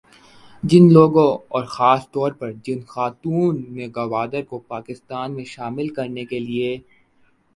جن لوگوں اور خاص طور پر جن خاتون نے گوادر کو پاکستان میں شامل کرنے کے لیے